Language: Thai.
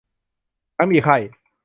ทั้งมีไข้